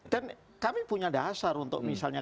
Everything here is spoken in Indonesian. dan kami punya dasar untuk misalnya